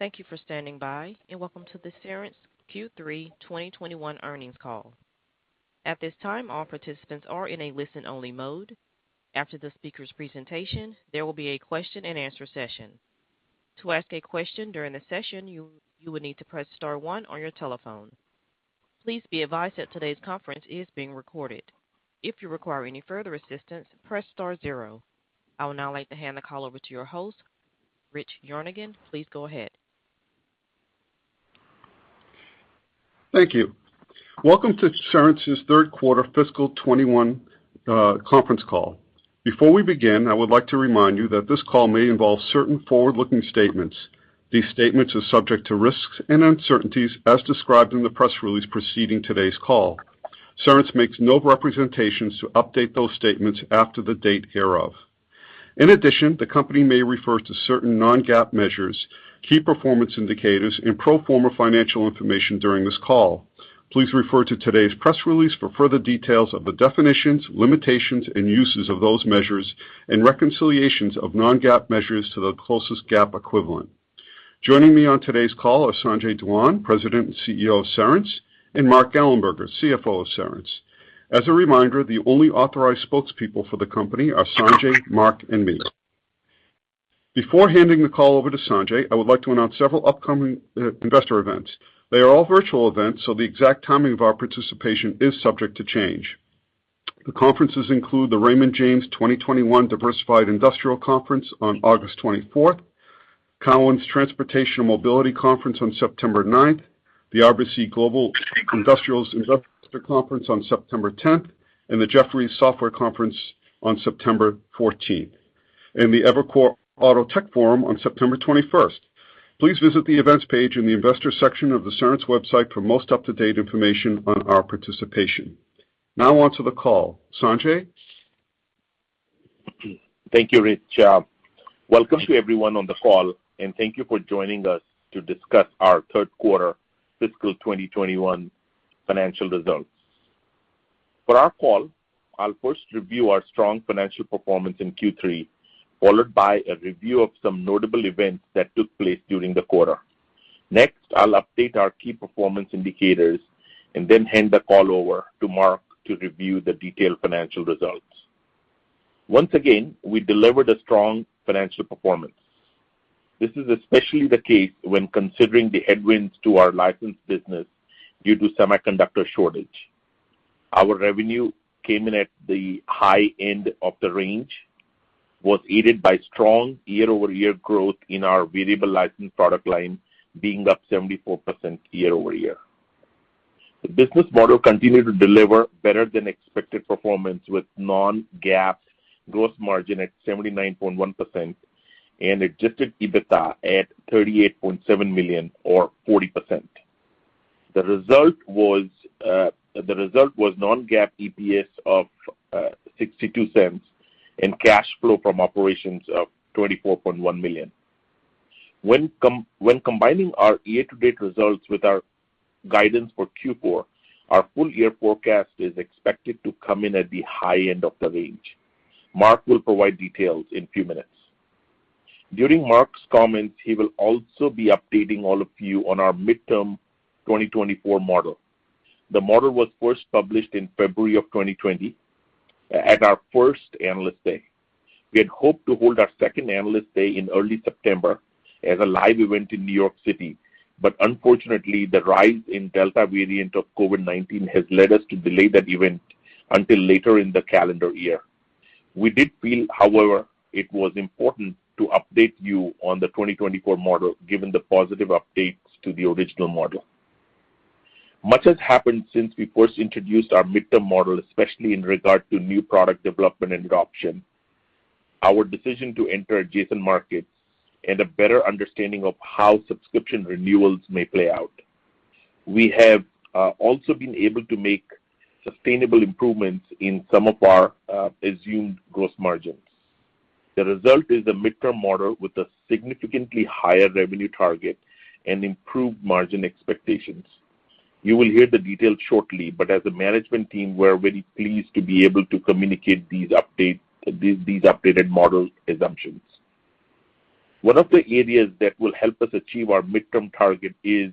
Thank you for standing by, and welcome to the Cerence Q3 2021 earnings call. At this time, all participants are in a listen-only mode. After the speaker's presentation, there will be a question-and-answer session. To ask a question during the session, you will need to press star one on your telephone. Please be advised that today's conference is being recorded. If you require any further assistance, press star zero. I will now like to hand the call over to your host, Rich Yerganian. Please go ahead. Thank you. Welcome to Cerence's third quarter fiscal 2021 conference call. Before we begin, I would like to remind you that this call may involve certain forward-looking statements. These statements are subject to risks and uncertainties as described in the press release preceding today's call. Cerence makes no representations to update those statements after the date hereof. In addition, the company may refer to certain non-GAAP measures, key performance indicators, and pro forma financial information during this call. Please refer to today's press release for further details of the definitions, limitations, and uses of those measures, and reconciliations of non-GAAP measures to the closest GAAP equivalent. Joining me on today's call are Sanjay Dhawan, President and CEO of Cerence, and Mark Gallenberger, CFO of Cerence. As a reminder, the only authorized spokespeople for the company are Sanjay, Mark, and me. Before handing the call over to Sanjay, I would like to announce several upcoming investor events. They are all virtual events, so the exact timing of our participation is subject to change. The conferences include the Raymond James 2021 Diversified Industrial Conference on August 24th, Cowen's Transportation and Mobility Conference on September 9th, the RBC Global Industrials Investor Conference on September 10th, and the Jefferies Software Conference on September 14th, and the Evercore AutoTech Forum on September 21st. Please visit the Events page in the Investor section of the Cerence website for most up-to-date information on our participation. Now on to the call. Sanjay? Thank you, Rich. Welcome to everyone on the call, and thank you for joining us to discuss our third quarter fiscal 2021 financial results. For our call, I'll first review our strong financial performance in Q3, followed by a review of some notable events that took place during the quarter. Next, I'll update our key performance indicators and then hand the call over to Mark to review the detailed financial results. Once again, we delivered a strong financial performance. This is especially the case when considering the headwinds to our license business due to semiconductor shortage. Our revenue came in at the high end of the range, was aided by strong year-over-year growth in our variable license product line, being up 74% year-over-year. The business model continued to deliver better than expected performance, with non-GAAP gross margin at 79.1% and adjusted EBITDA at $38.7 million, or 40%. The result was non-GAAP EPS of $0.62 and cash flow from operations of $24.1 million. When combining our year-to-date results with our guidance for Q4, our full year forecast is expected to come in at the high end of the range. Mark will provide details in a few minutes. During Mark's comments, he will also be updating all of you on our midterm 2024 model. The model was first published in February of 2020 at our first Analyst Day. Unfortunately, the rise in Delta variant of COVID-19 has led us to delay that event until later in the calendar year. We did feel, however, it was important to update you on the 2024 model given the positive updates to the original model. Much has happened since we first introduced our midterm model, especially in regard to new product development and adoption, our decision to enter adjacent markets, and a better understanding of how subscription renewals may play out. We have also been able to make sustainable improvements in some of our assumed gross margins. The result is a midterm model with a significantly higher revenue target and improved margin expectations. You will hear the details shortly, but as a management team, we are very pleased to be able to communicate these updated model assumptions. One of the areas that will help us achieve our midterm target is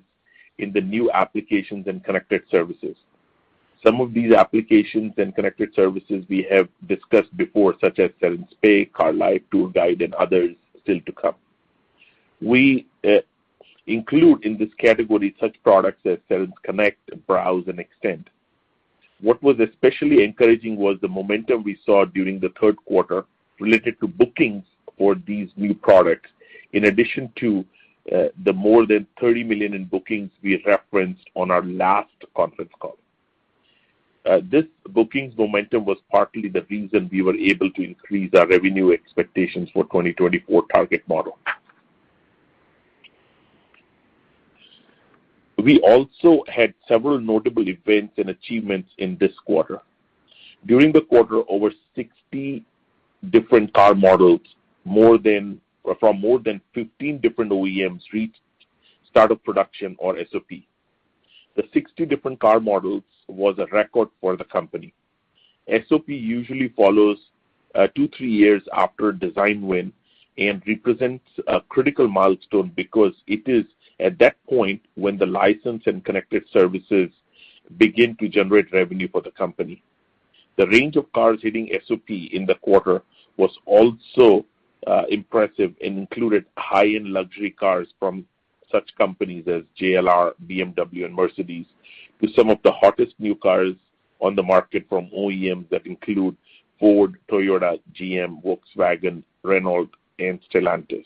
in the new applications and connected services. Some of these applications and connected services we have discussed before, such as Cerence Pay, Car Life, Tour Guide, and others still to come. We include in this category such products as Cerence Connect, Browse, and Extend. What was especially encouraging was the momentum we saw during the third quarter related to bookings for these new products, in addition to the more than $30 million in bookings we referenced on our last conference call. This bookings momentum was partly the reason we were able to increase our revenue expectations for 2024 target model. We also had several notable events and achievements in this quarter. During the quarter, over 60 different car models from more than 15 different OEMs reached start of production or SOP. The 60 different car models was a record for the company. SOP usually follows two, three years after a design win and represents a critical milestone because it is at that point when the license and connected services begin to generate revenue for the company. The range of cars hitting SOP in the quarter was also impressive and included high-end luxury cars from such companies as JLR, BMW, and Mercedes, to some of the hottest new cars on the market from OEMs that include Ford, Toyota, GM, Volkswagen, Renault, and Stellantis.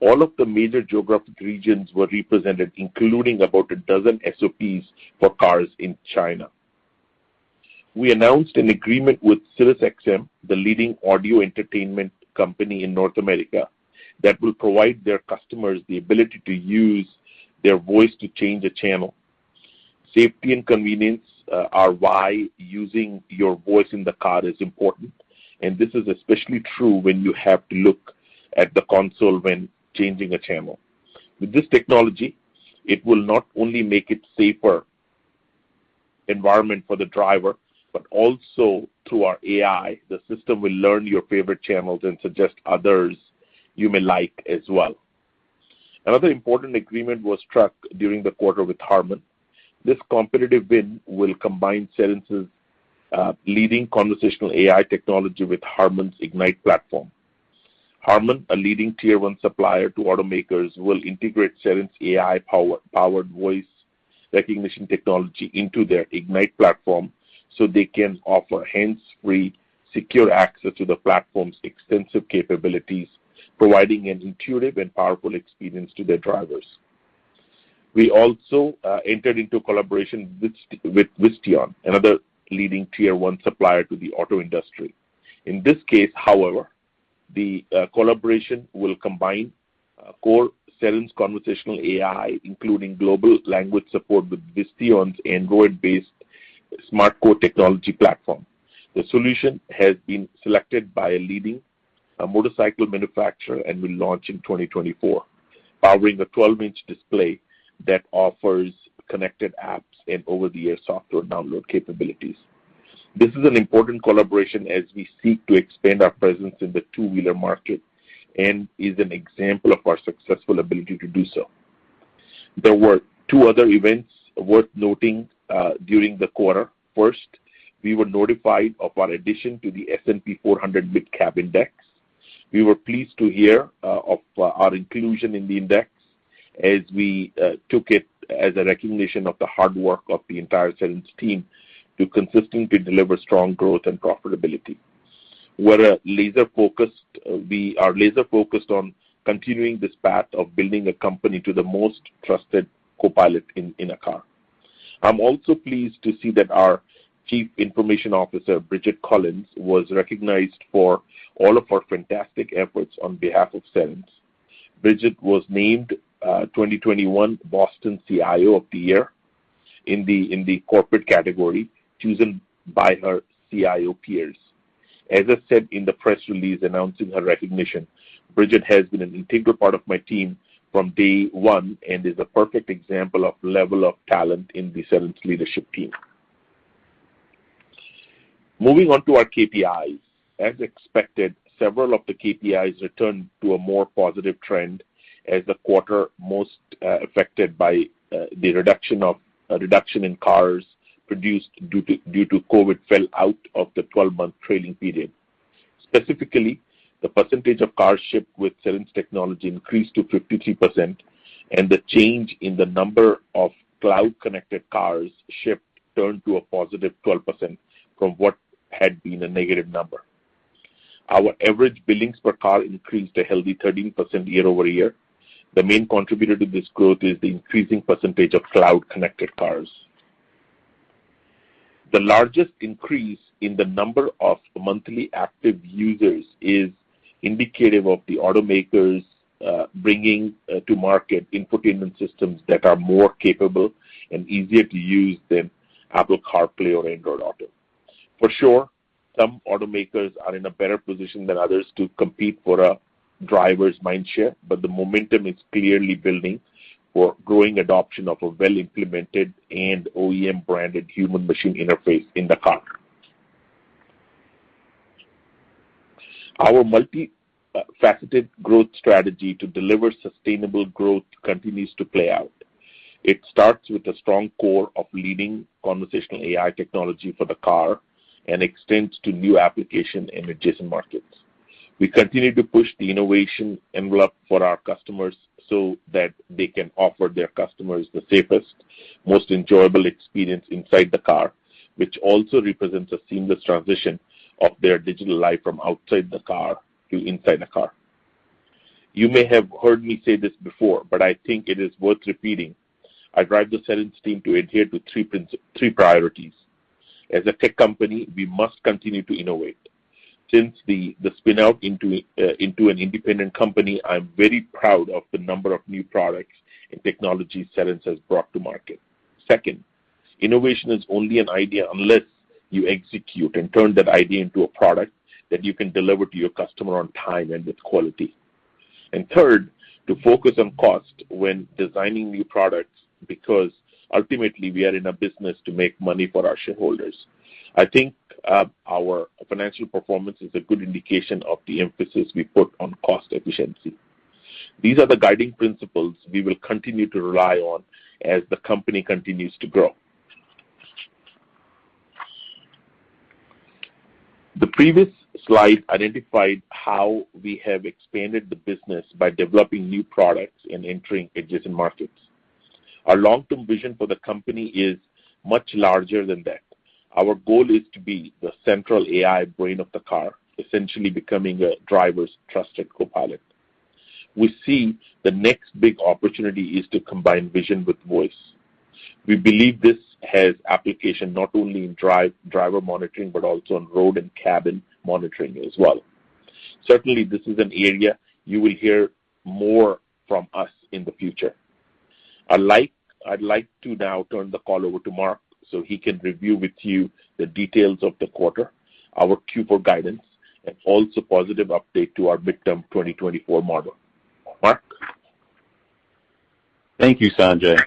All of the major geographic regions were represented, including about a dozen SOPs for cars in China. We announced an agreement with SiriusXM, the leading audio entertainment company in North America, that will provide their customers the ability to use their voice to change the channel. Safety and convenience are why using your voice in the car is important, and this is especially true when you have to look at the console when changing a channel. With this technology, it will not only make it safer environment for the driver, but also through our AI, the system will learn your favorite channels and suggest others you may like as well. Another important agreement was struck during the quarter with HARMAN. This competitive win will combine Cerence's leading conversational AI technology with HARMAN's Ignite platform. HARMAN, a leading Tier 1 supplier to automakers, will integrate Cerence AI-powered voice recognition technology into their Ignite platform so they can offer hands-free, secure access to the platform's extensive capabilities, providing an intuitive and powerful experience to their drivers. We also entered into a collaboration with Visteon, another leading Tier 1 supplier to the auto industry. In this case, however, the collaboration will combine core Cerence conversational AI, including global language support with Visteon's Android-based SmartCore technology platform. The solution has been selected by a leading motorcycle manufacturer and will launch in 2024, powering a 12 in display that offers connected apps and over-the-air software download capabilities. This is an important collaboration as we seek to expand our presence in the two-wheeler market and is an example of our successful ability to do so. There were two other events worth noting during the quarter. First, we were notified of our addition to the S&P MidCap 400 Index. We were pleased to hear of our inclusion in the index as we took it as a recognition of the hard work of the entire Cerence team to consistently deliver strong growth and profitability. We are laser-focused on continuing this path of building a company to the most trusted co-pilot in a car. I'm also pleased to see that our Chief Information Officer, Bridget Collins, was recognized for all of her fantastic efforts on behalf of Cerence. Bridget was named 2021 Boston CIO of the Year in the corporate category, chosen by her CIO peers. As I said in the press release announcing her recognition, Bridget has been an integral part of my team from day one and is a perfect example of level of talent in the Cerence leadership team. Moving on to our KPIs. As expected, several of the KPIs returned to a more positive trend as the quarter most affected by the reduction in cars produced due to COVID fell out of the 12-month trailing period. Specifically, the percentage of cars shipped with Cerence technology increased to 53%, and the change in the number of cloud-connected cars shipped turned to a positive 12% from what had been a negative number. Our average billings per car increased a healthy 13% year-over-year. The main contributor to this growth is the increasing percentage of cloud-connected cars. The largest increase in the number of monthly active users is indicative of the automakers bringing to market infotainment systems that are more capable and easier to use than Apple CarPlay or Android Auto. For sure, some automakers are in a better position than others to compete for a driver's mind share, but the momentum is clearly building for growing adoption of a well-implemented and OEM-branded human-machine interface in the car. Our multi-faceted growth strategy to deliver sustainable growth continues to play out. It starts with a strong core of leading conversational AI technology for the car and extends to new application in adjacent markets. We continue to push the innovation envelope for our customers so that they can offer their customers the safest, most enjoyable experience inside the car, which also represents a seamless transition of their digital life from outside the car to inside the car. You may have heard me say this before, but I think it is worth repeating. I drive the Cerence team to adhere to three priorities. As a tech company, we must continue to innovate. Since the spin-out into an independent company, I'm very proud of the number of new products and technologies Cerence has brought to market. Second, innovation is only an idea unless you execute and turn that idea into a product that you can deliver to your customer on time and with quality. Third, to focus on cost when designing new products, because ultimately, we are in a business to make money for our shareholders. I think our financial performance is a good indication of the emphasis we put on cost efficiency. These are the guiding principles we will continue to rely on as the company continues to grow. The previous slide identified how we have expanded the business by developing new products and entering adjacent markets. Our long-term vision for the company is much larger than that. Our goal is to be the central AI brain of the car, essentially becoming a driver's trusted copilot. We see the next big opportunity is to combine vision with voice. We believe this has application not only in driver monitoring, but also on road and cabin monitoring as well. Certainly, this is an area you will hear more from us in the future. I'd like to now turn the call over to Mark so he can review with you the details of the quarter, our Q4 guidance, and also positive update to our midterm 2024 model. Mark? Thank you, Sanjay.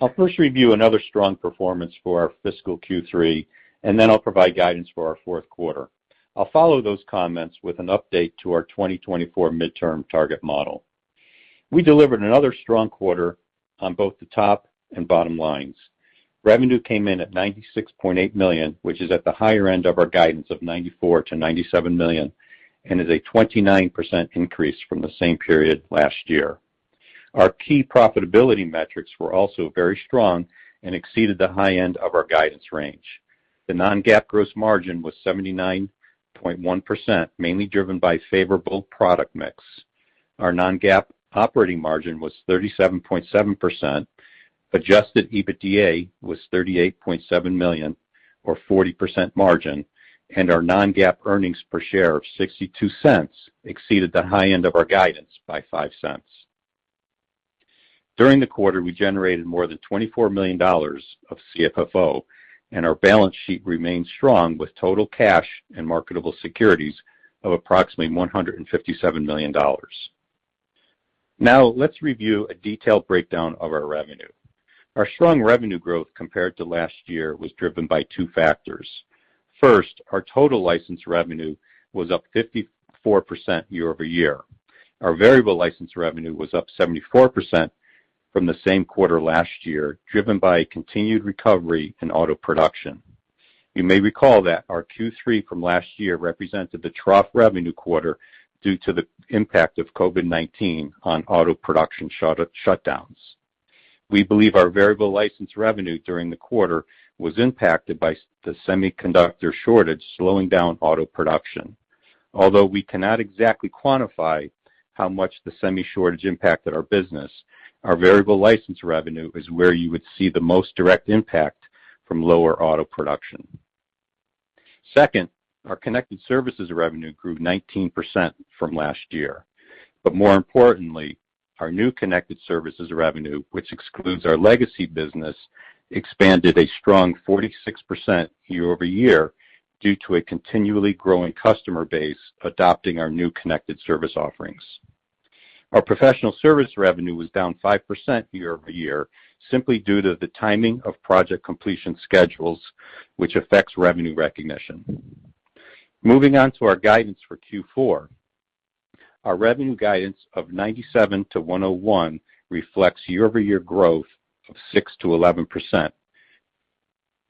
I'll first review another strong performance for our fiscal Q3. Then I'll provide guidance for our fourth quarter. I'll follow those comments with an update to our 2024 midterm target model. We delivered another strong quarter on both the top and bottom lines. Revenue came in at $96.8 million, which is at the higher end of our guidance of $94 million-$97 million, is a 29% increase from the same period last year. Our key profitability metrics were also very strong and exceeded the high end of our guidance range. The non-GAAP gross margin was 79.1%, mainly driven by favorable product mix. Our non-GAAP operating margin was 37.7%, adjusted EBITDA was $38.7 million, or 40% margin. Our non-GAAP earnings per share of $0.62 exceeded the high end of our guidance by $0.05. During the quarter, we generated more than $24 million of CFFO, and our balance sheet remains strong, with total cash and marketable securities of approximately $157 million. Now, let's review a detailed breakdown of our revenue. Our strong revenue growth compared to last year was driven by two factors. First, our total license revenue was up 54% year-over-year. Our variable license revenue was up 74% from the same quarter last year, driven by a continued recovery in auto production. You may recall that our Q3 from last year represented the trough revenue quarter due to the impact of COVID-19 on auto production shutdowns. We believe our variable license revenue during the quarter was impacted by the semiconductor shortage slowing down auto production. Although we cannot exactly quantify how much the semi shortage impacted our business, our variable license revenue is where you would see the most direct impact from lower auto production. Second, our connected services revenue grew 19% from last year. More importantly, our new connected services revenue, which excludes our legacy business, expanded a strong 46% year-over-year due to a continually growing customer base adopting our new connected service offerings. Our professional service revenue was down 5% year-over-year, simply due to the timing of project completion schedules, which affects revenue recognition. Moving on to our guidance for Q4. Our revenue guidance of $97 million-$101 million reflects year-over-year growth of 6%-11%,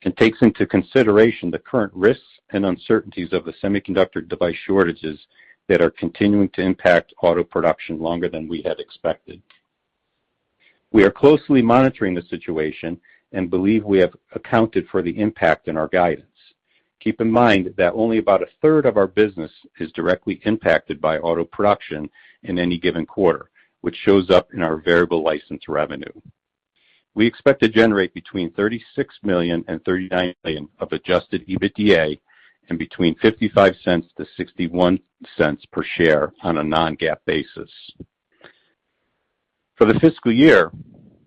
and takes into consideration the current risks and uncertainties of the semiconductor device shortages that are continuing to impact auto production longer than we had expected. We are closely monitoring the situation and believe we have accounted for the impact in our guidance. Keep in mind that only about a third of our business is directly impacted by auto production in any given quarter, which shows up in our variable license revenue. We expect to generate between $36 million and $39 million of adjusted EBITDA, and between $0.55 to $0.61 per share on a non-GAAP basis. For the fiscal year,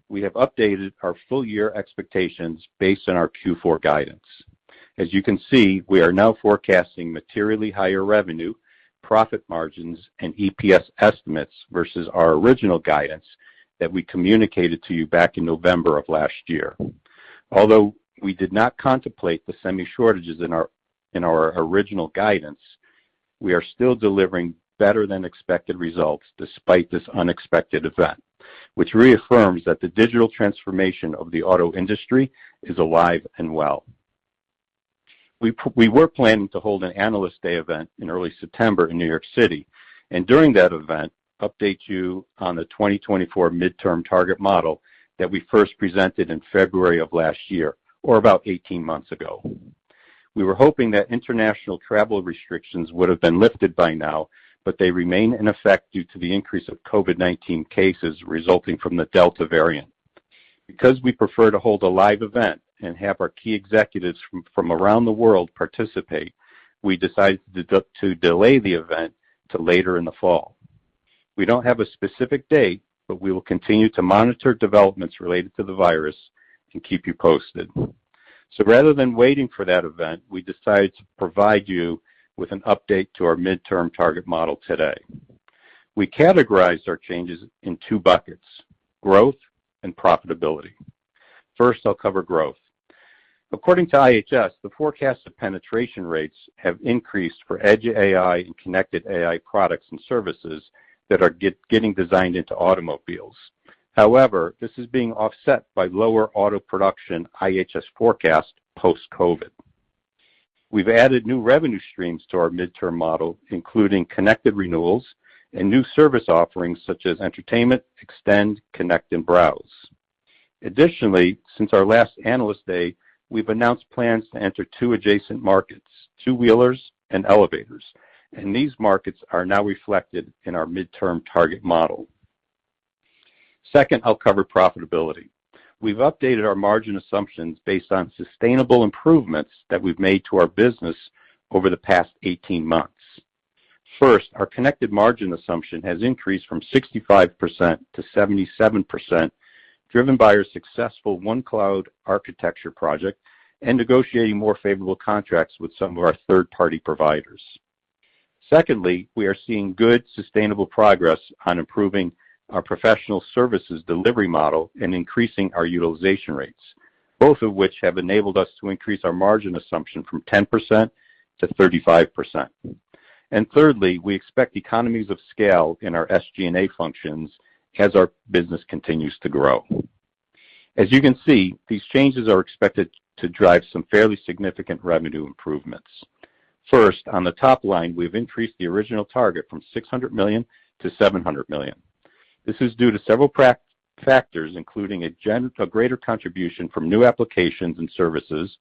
we have updated our full year expectations based on our Q4 guidance. As you can see, we are now forecasting materially higher revenue, profit margins, and EPS estimates versus our original guidance that we communicated to you back in November of last year. Although we did not contemplate the semi shortages in our original guidance, we are still delivering better than expected results despite this unexpected event, which reaffirms that the digital transformation of the auto industry is alive and well. We were planning to hold an analyst day event in early September in New York City, and during that event, update you on the 2024 midterm target model that we first presented in February of last year, or about 18 months ago. We were hoping that international travel restrictions would have been lifted by now, but they remain in effect due to the increase of COVID-19 cases resulting from the Delta variant. Because we prefer to hold a live event and have our key executives from around the world participate, we decided to delay the event to later in the fall. We don't have a specific date, but we will continue to monitor developments related to the virus and keep you posted. Rather than waiting for that event, we decided to provide you with an update to our midterm target model today. We categorized our changes in two buckets, growth and profitability. First, I'll cover growth. According to IHS, the forecast of penetration rates have increased for edge AI and connected AI products and services that are getting designed into automobiles. However, this is being offset by lower auto production IHS forecast post-COVID. We've added new revenue streams to our midterm model, including connected renewals and new service offerings such as entertainment, Extend, Connect, and Browse. Additionally, since our last Analyst Day, we've announced plans to enter two adjacent markets, two-wheelers and elevators, and these markets are now reflected in our midterm target model. Second, I'll cover profitability. We've updated our margin assumptions based on sustainable improvements that we've made to our business over the past 18 months. First, our connected margin assumption has increased from 65%-77%, driven by our successful OneCloud architecture project and negotiating more favorable contracts with some of our third-party providers. Secondly, we are seeing good sustainable progress on improving our professional services delivery model and increasing our utilization rates, both of which have enabled us to increase our margin assumption from 10%-35%. Thirdly, we expect economies of scale in our SG&A functions as our business continues to grow. As you can see, these changes are expected to drive some fairly significant revenue improvements. First, on the top line, we've increased the original target from $600 million-$700 million. This is due to several factors, including a greater contribution from new applications and services,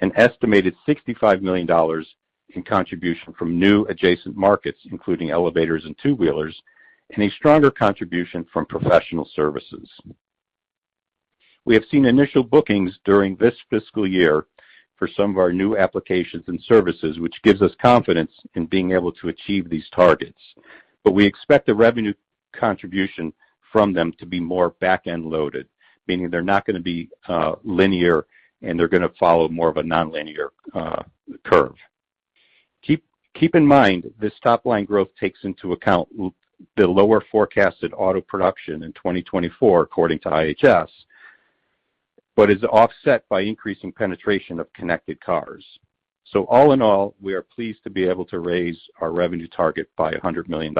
an estimated $65 million in contribution from new adjacent markets, including elevators and two-wheelers, and a stronger contribution from professional services. We have seen initial bookings during this fiscal year for some of our new applications and services, which gives us confidence in being able to achieve these targets. We expect the revenue contribution from them to be more back-end loaded, meaning they're not going to be linear, and they're going to follow more of a non-linear curve. Keep in mind, this top-line growth takes into account the lower forecasted auto production in 2024, according to IHS, but is offset by increasing penetration of connected cars. All in all, we are pleased to be able to raise our revenue target by $100 million.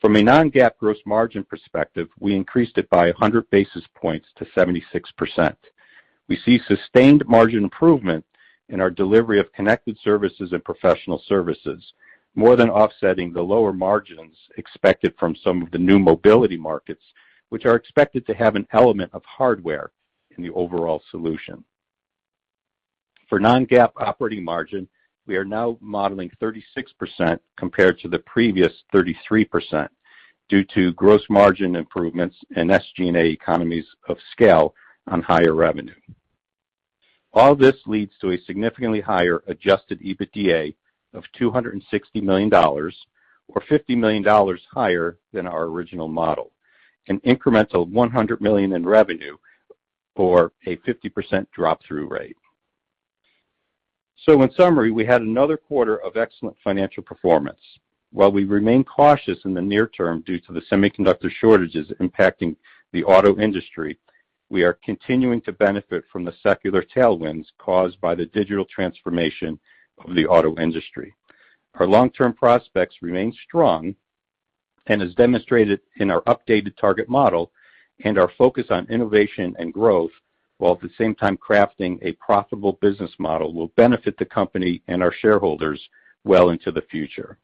From a non-GAAP gross margin perspective, we increased it by 100 basis points to 76%. We see sustained margin improvement in our delivery of connected services and professional services, more than offsetting the lower margins expected from some of the new mobility markets, which are expected to have an element of hardware in the overall solution. For non-GAAP operating margin, we are now modeling 36% compared to the previous 33% due to gross margin improvements and SG&A economies of scale on higher revenue. All this leads to a significantly higher adjusted EBITDA of $260 million, or $50 million higher than our original model, an incremental $100 million in revenue, or a 50% drop-through rate. In summary, we had another quarter of excellent financial performance. While we remain cautious in the near term due to the semiconductor shortages impacting the auto industry, we are continuing to benefit from the secular tailwinds caused by the digital transformation of the auto industry. Our long-term prospects remain strong, and as demonstrated in our updated target model and our focus on innovation and growth, while at the same time crafting a profitable business model, will benefit the company and our shareholders well into the future.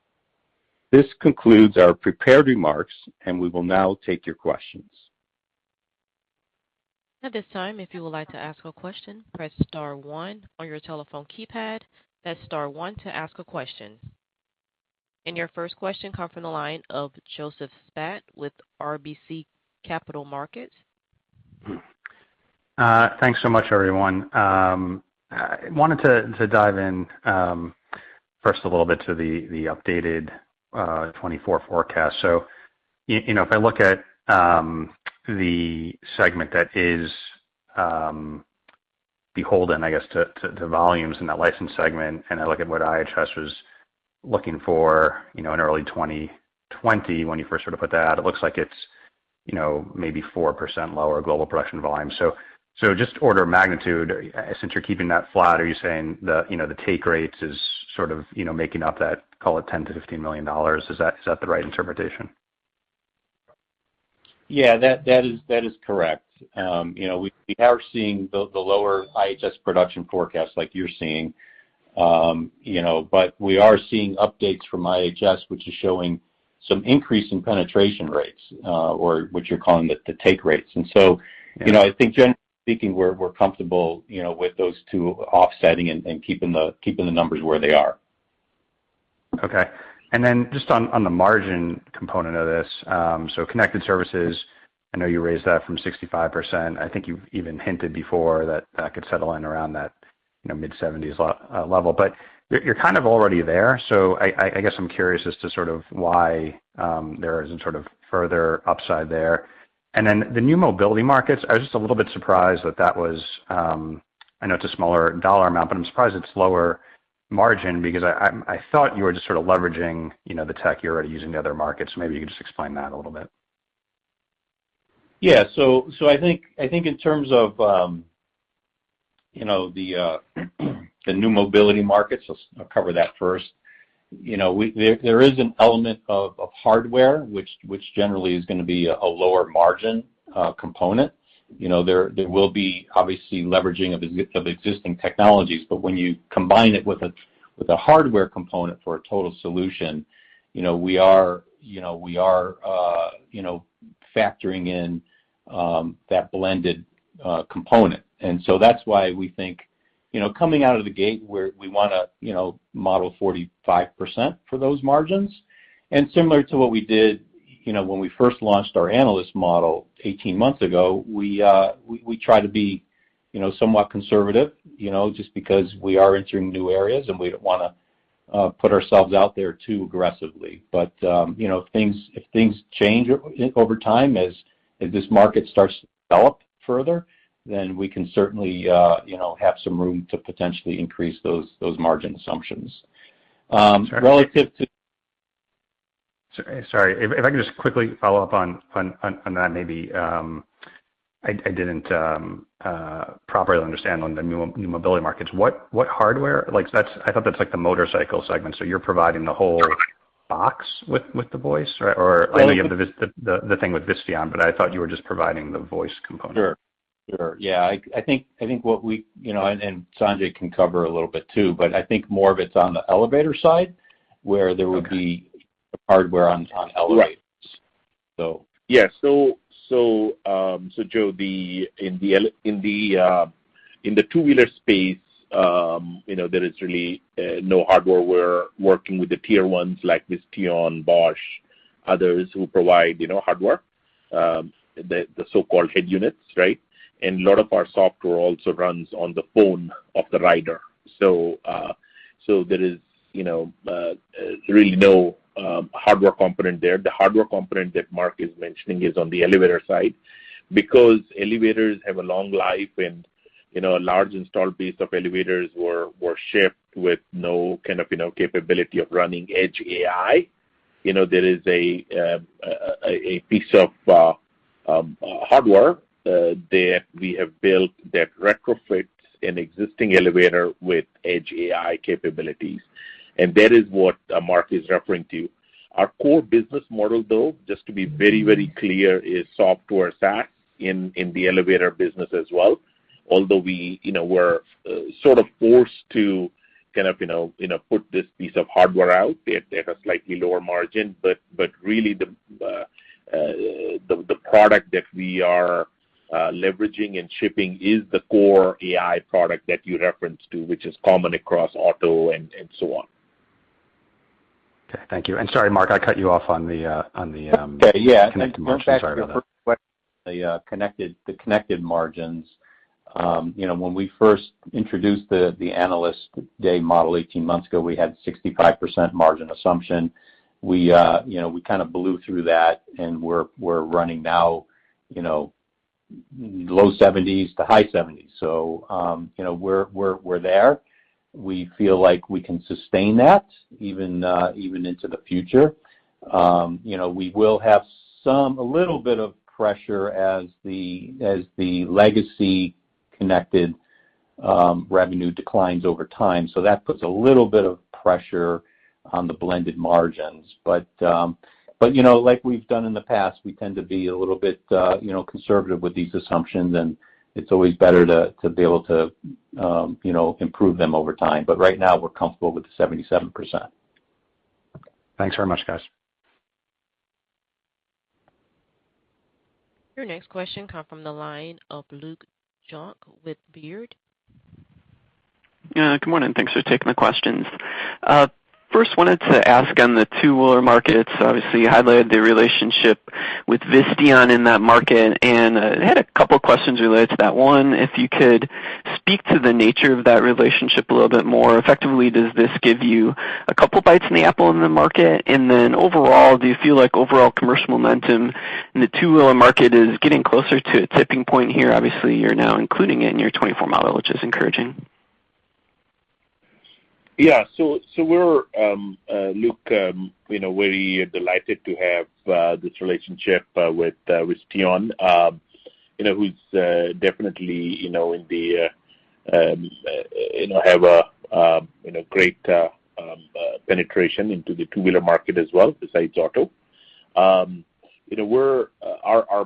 This concludes our prepared remarks, and we will now take your questions. At this time, if you would like to ask a question, press star one on your telephone keypad. Press star one to ask a question. Your first question comes from the line of Joseph Spak with RBC Capital Markets. Thanks so much, everyone. Wanted to dive in first a little bit to the updated 2024 forecast. If I look at the segment that is beholden, I guess, to volumes in that license segment, and I look at what IHS was looking for in early 2020 when you first sort of put that out, it looks like it's maybe 4% lower global production volume. Just order of magnitude, since you're keeping that flat, are you saying the take rates is sort of making up that, call it $10 million-$15 million? Is that the right interpretation? Yeah, that is correct. We are seeing the lower IHS production forecast like you're seeing. We are seeing updates from IHS, which is showing some increase in penetration rates or what you're calling the take rates. Yeah. I think generally speaking, we're comfortable with those 2 offsetting and keeping the numbers where they are. Okay. Just on the margin component of this, connected services, I know you raised that from 65%. I think you even hinted before that that could settle in around that mid-70s level. You're kind of already there, I guess I'm curious as to sort of why there isn't sort of further upside there. The new mobility markets, I was just a little bit surprised that I know it's a smaller dollar amount, but I'm surprised it's lower margin because I thought you were just sort of leveraging the tech you're already using in the other markets. Maybe you could just explain that a little bit. I think in terms of the new mobility markets, I'll cover that first. There is an element of hardware, which generally is going to be a lower margin component. There will be, obviously, leveraging of existing technologies, but when you combine it with a hardware component for a total solution, we are factoring in that blended component. That's why we think, coming out of the gate, we want to model 45% for those margins. Similar to what we did when we first launched our analyst model 18 months ago, we try to be somewhat conservative, just because we are entering new areas, and we don't want to put ourselves out there too aggressively. If things change over time, as this market starts to develop further, then we can certainly have some room to potentially increase those margin assumptions. Sure. Relative to- Sorry. If I could just quickly follow up on that maybe. I didn't properly understand on the new mobility markets. What hardware? I thought that's like the motorcycle segment, so you're providing the whole box with the voice, right? I know you have the thing with Visteon, but I thought you were just providing the voice component. Sure. Yeah. Sanjay can cover a little bit, too, but I think more of it's on the OEM side, where there would be. Okay The hardware on elevators. Right. So. Yeah. Joseph, in the two-wheeler space, there is really no hardware. We're working with the Tier 1s like Visteon, Bosch, others who provide hardware, the so-called head units, right? A lot of our software also runs on the phone of the rider. There is really no hardware component there. The hardware component that Mark Gallenberger is mentioning is on the elevator side. Because elevators have a long life, and a large installed base of elevators were shipped with no capability of running edge AI, there is a piece of hardware that we have built that retrofits an existing elevator with edge AI capabilities, and that is what Mark Gallenberger is referring to. Our core business model, though, just to be very clear, is software SaaS in the elevator business as well, although we were sort of forced to put this piece of hardware out at a slightly lower margin. Really, the product that we are leveraging and shipping is the core AI product that you referenced to, which is common across auto and so on. Okay. Thank you. Sorry, Mark, I cut you off. Yeah. Connected margins. Sorry about that. No, in fact, your first question on the connected margins. When we first introduced the analyst day model 18 months ago, we had 65% margin assumption. We kind of blew through that, and we're running now low 70s to high 70s. We're there. We feel like we can sustain that even into the future. We will have a little bit of pressure as the legacy connected revenue declines over time, that puts a little bit of pressure on the blended margins. Like we've done in the past, we tend to be a little bit conservative with these assumptions, and it's always better to be able to improve them over time. Right now, we're comfortable with the 77%. Thanks very much, guys. Your next question come from the line of Luke Junk with Baird. Yeah. Good morning. Thanks for taking the questions. First, wanted to ask on the two-wheeler markets, obviously, you highlighted the relationship with Visteon in that market, and I had a couple questions related to that. One, if you could speak to the nature of that relationship a little bit more. Effectively, does this give you a couple bites in the apple in the market? Overall, do you feel like overall commercial momentum in the two-wheeler market is getting closer to a tipping point here? Obviously, you're now including it in your 2024 model, which is encouraging. Yeah. Luke, we're delighted to have this relationship with Visteon, who definitely have a great penetration into the two-wheeler market as well besides auto. Our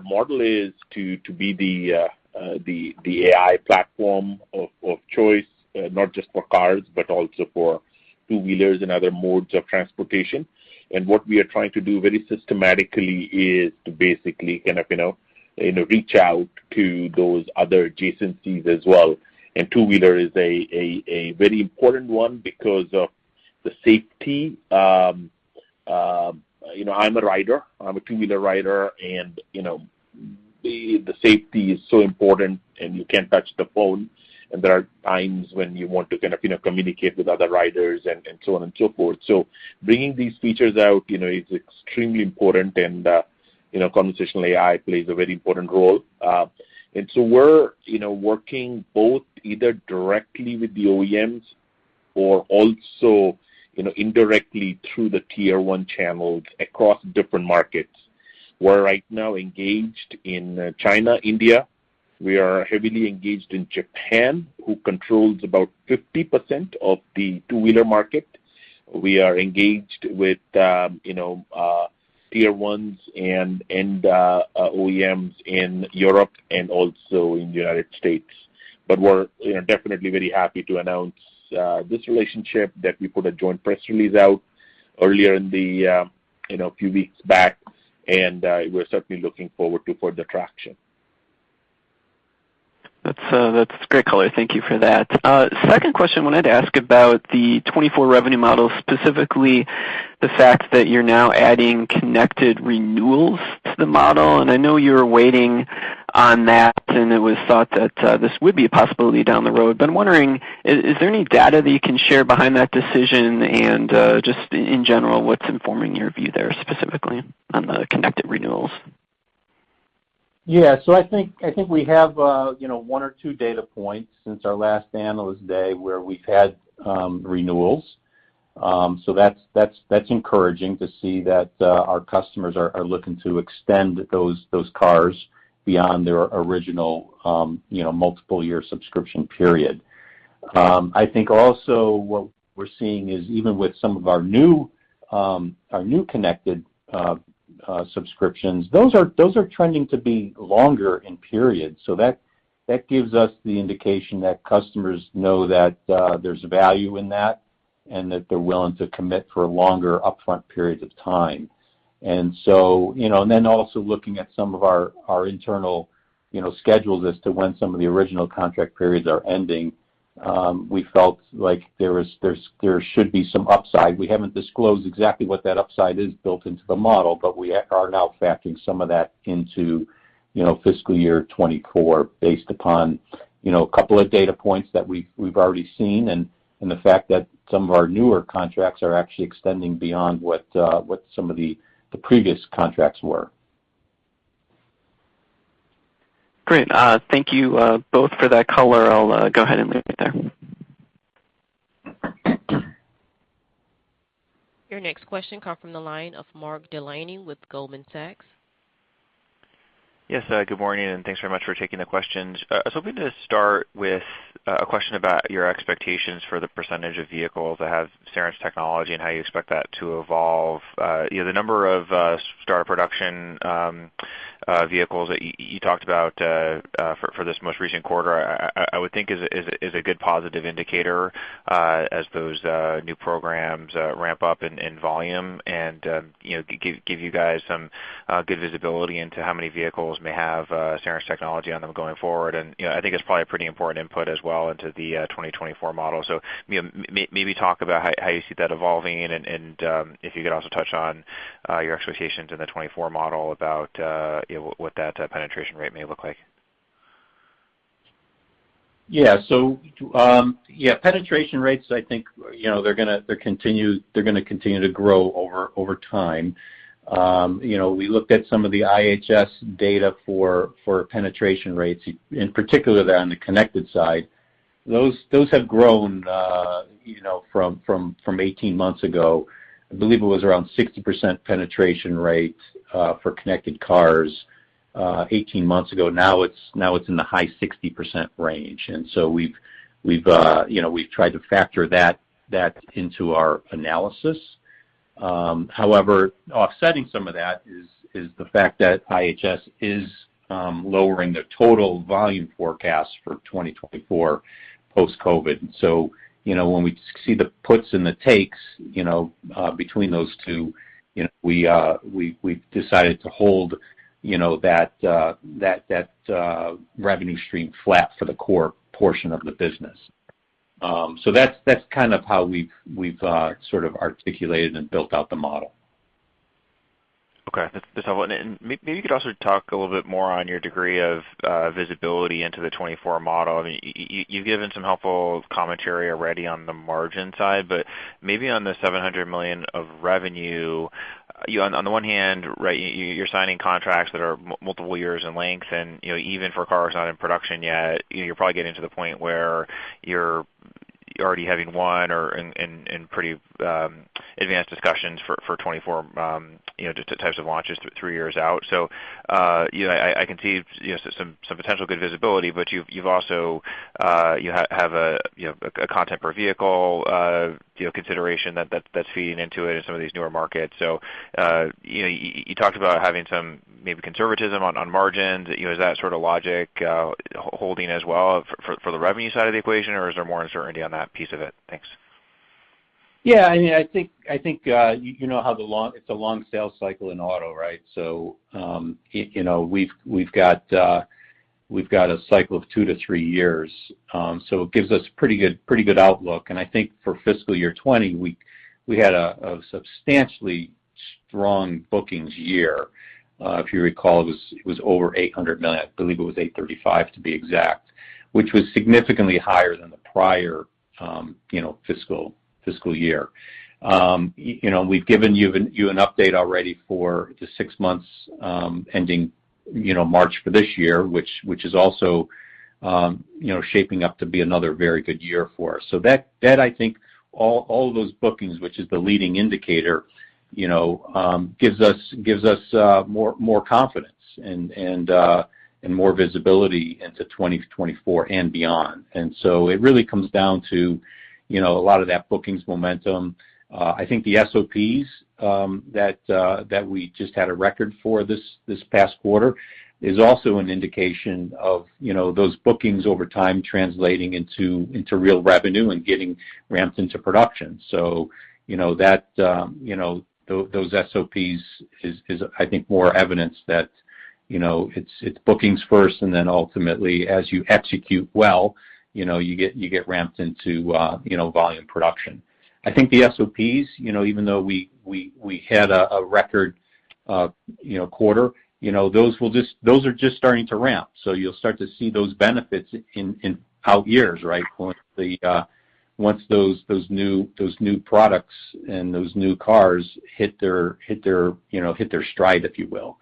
model is to be the AI platform of choice, not just for cars, but also for two-wheelers and other modes of transportation. What we are trying to do very systematically is to basically reach out to those other adjacencies as well. Two-wheeler is a very important one because of the safety. I'm a rider. I'm a two-wheeler rider, and the safety is so important, and you can't touch the phone, and there are times when you want to communicate with other riders and so on and so forth. Bringing these features out is extremely important and conversational AI plays a very important role. We're working both either directly with the OEMs or also indirectly through the tier one channels across different markets. We're right now engaged in China, India. We are heavily engaged in Japan, who controls about 50% of the two-wheeler market. We are engaged with tier ones and OEMs in Europe and also in the United States. We're definitely very happy to announce this relationship, that we put a joint press release out earlier a few weeks back, and we're certainly looking forward to further traction. That's great color. Thank you for that. Second question, I wanted to ask about the 2024 revenue model, specifically the fact that you're now adding connected renewals to the model, and I know you were waiting on that, and it was thought that this would be a possibility down the road. I'm wondering, is there any data that you can share behind that decision and just in general, what's informing your view there specifically on the connected renewals? I think we have one or two data points since our last analyst day where we've had renewals. That's encouraging to see that our customers are looking to extend those cars beyond their original multiple-year subscription period. I think also what we're seeing is even with some of our new connected subscriptions, those are trending to be longer in period. That gives us the indication that customers know that there's value in that, and that they're willing to commit for longer upfront periods of time. Also looking at some of our internal schedules as to when some of the original contract periods are ending, we felt like there should be some upside. We haven't disclosed exactly what that upside is built into the model, but we are now factoring some of that into fiscal year 2024 based upon a couple of data points that we've already seen and the fact that some of our newer contracts are actually extending beyond what some of the previous contracts were. Great. Thank you both for that color. I'll go ahead and leave it there. Your next question comes from the line of Mark Delaney with Goldman Sachs. Yes, good morning, and thanks very much for taking the questions. I was hoping to start with a question about your expectations for the % of vehicles that have Cerence technology and how you expect that to evolve. The number of star production vehicles that you talked about for this most recent quarter, I would think is a good positive indicator as those new programs ramp up in volume and give you guys some good visibility into how many vehicles may have Cerence technology on them going forward. I think it's probably a pretty important input as well into the 2024 model. Maybe talk about how you see that evolving and if you could also touch on your expectations in the 2024 model about what that penetration rate may look like. Penetration rates, I think they're going to continue to grow over time. We looked at some of the IHS data for penetration rates, in particular there on the connected side. Those have grown from 18 months ago. I believe it was around 60% penetration rate for connected cars 18 months ago. Now it's in the high 60% range, we've tried to factor that into our analysis. Offsetting some of that is the fact that IHS is lowering their total volume forecast for 2024 post-COVID. When we see the puts and the takes between those two, we've decided to hold that revenue stream flat for the core portion of the business. That's kind of how we've sort of articulated and built out the model. Okay. That's helpful. Maybe you could also talk a little bit more on your degree of visibility into the 2024 model. I mean, you've given some helpful commentary already on the margin side, but maybe on the $700 million of revenue. On the one hand, you're signing contracts that are multiple years in length, and even for cars not in production yet, you're probably getting to the point where you're already having one or in pretty advanced discussions for 2024, just the types of launches three years out. I can see some potential good visibility, but you have a content per vehicle consideration that's feeding into it in some of these newer markets. You talked about having some maybe conservatism on margins. Is that sort of logic holding as well for the revenue side of the equation, or is there more uncertainty on that piece of it? Thanks. I think, you know how it's a long sales cycle in auto, right? We've got a cycle of two to three years. It gives us pretty good outlook. I think for fiscal year 2020, we had a substantially strong bookings year. If you recall, it was over $800 million. I believe it was $835 to be exact, which was significantly higher than the prior fiscal year. We've given you an update already for the six months ending March for this year, which is also shaping up to be another very good year for us. That, I think, all of those bookings, which is the leading indicator, gives us more confidence and more visibility into 2024 and beyond. It really comes down to a lot of that bookings momentum. I think the SOPs that we just had a record for this past quarter is also an indication of those bookings over time translating into real revenue and getting ramped into production. Those SOPs is, I think, more evidence that it's bookings first and then ultimately, as you execute well, you get ramped into volume production. I think the SOPs, even though we had a record quarter, those are just starting to ramp. You'll start to see those benefits in out years, right? Once those new products and those new cars hit their stride, if you will.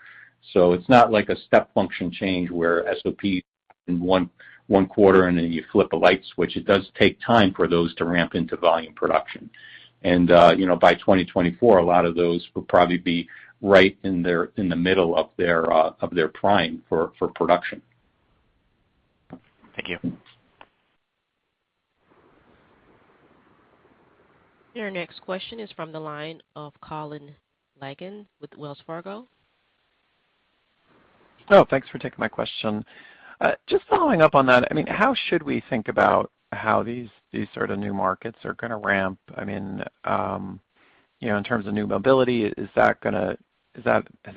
It's not like a step function change where SOP in one quarter, and then you flip a light switch. It does take time for those to ramp into volume production. By 2024, a lot of those will probably be right in the middle of their prime for production. Thank you. Your next question is from the line of Colin Langan with Wells Fargo. Oh, thanks for taking my question. Just following up on that, how should we think about how these sort of new markets are going to ramp? In terms of new mobility, has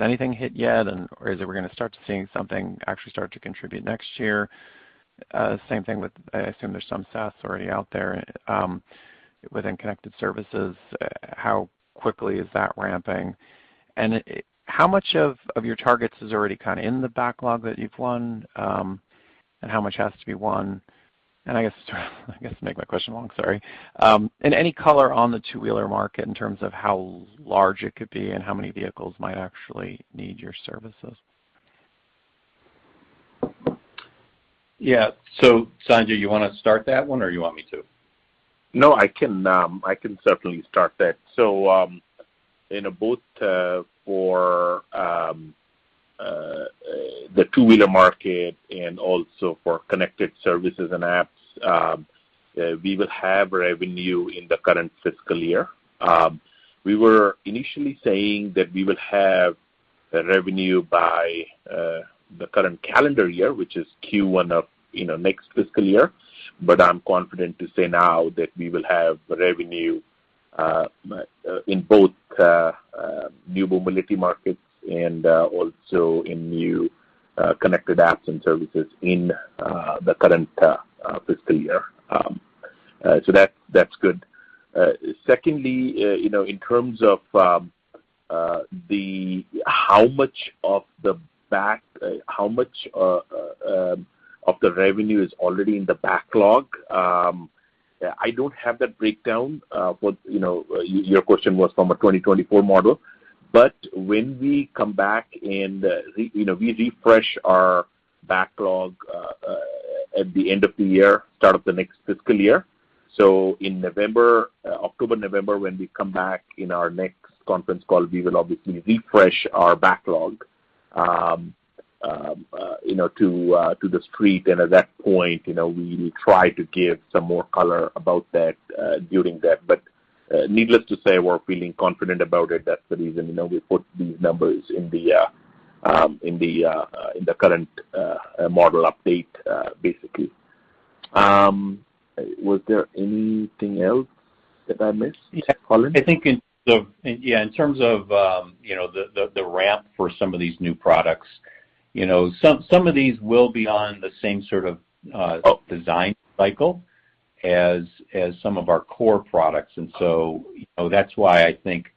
anything hit yet? Or is it we're going to start to seeing something actually start to contribute next year? Same thing with, I assume there's some SaaS already out there. Within connected services, how quickly is that ramping? How much of your targets is already kind of in the backlog that you've won, and how much has to be won? I guess to make my question long, sorry. Any color on the two-wheeler market in terms of how large it could be and how many vehicles might actually need your services? Yeah. Sanjay, you want to start that one, or you want me to? No, I can certainly start that. Both for the two-wheeler market and also for connected services and apps, we will have revenue in the current fiscal year. We were initially saying that we will have revenue by the current calendar year, which is Q1 of next fiscal year. I'm confident to say now that we will have revenue in both new mobility markets and also in new connected apps and services in the current fiscal year. That's good. Secondly, in terms of how much of the revenue is already in the backlog, I don't have that breakdown. Your question was from a 2024 model. When we come back and we refresh our backlog at the end of the year, start of the next fiscal year. In October, November, when we come back in our next conference call, we will obviously refresh our backlog to the street. At that point, we will try to give some more color about that during that. Needless to say, we're feeling confident about it. That's the reason we put these numbers in the current model update, basically. Was there anything else that I missed, Colin? I think in terms of the ramp for some of these new products, some of these will be on the same sort of design cycle as some of our core products. That's why I think,